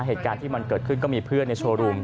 เหตุการณ์ที่มันเกิดขึ้นก็มีเพื่อนในโชว์รูม